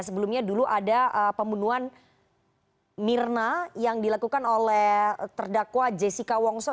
sebelumnya dulu ada pembunuhan mirna yang dilakukan oleh terdakwa jessica wongso